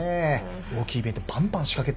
大きいイベントバンバン仕掛けて。